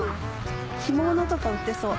干物とか売ってそう。